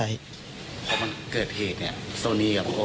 ดังเพราะเมื่อแรกนี้คือกาศสีขาสุมงคัน